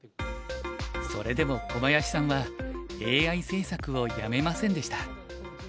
それでも小林さんはＡＩ制作をやめませんでした。